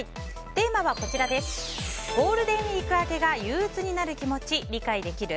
テーマはゴールデンウィーク明けが憂鬱になる気持ち理解できる？